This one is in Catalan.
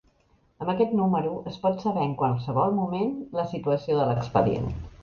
Amb aquest número es pot saber en qualsevol moment la situació de l'expedient.